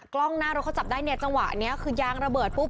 กล้องหน้ารถเขาจับได้เนี่ยจังหวะนี้คือยางระเบิดปุ๊บ